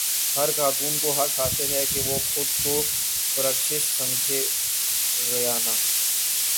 ہر خاتون کو حق حاصل ہے کہ وہ خود کو پرکشش سمجھے ریانا